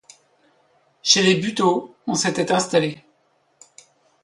Chez les Buteau, on s’était installé.